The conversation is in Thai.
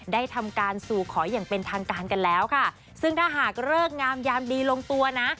ได้ทำการสู่ขออย่างเป็นทางการกันแล้วค่ะซึ่งถ้าหากเลิกงามยามดีลงตัวนะ